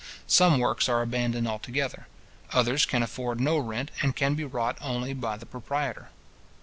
Some works are abandoned altogether; others can afford no rent, and can be wrought only by the proprietor.